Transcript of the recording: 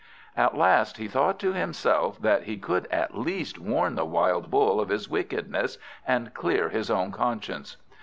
At last he thought to himself that he could at least warn the wild Bull of his wickedness, and clear his own conscience.